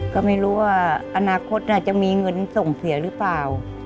ก็ไม่รู้ว่าอนาคตจะมีเงินส่งเสียหรือเปล่า